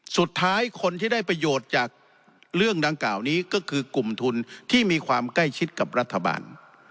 สุดท้ายคนที่ได้ประโยชน์จากเรื่องดังกล่าวนี้ก็คือกลุ่มทุนที่มีความใกล้ชิดกับรัฐบาล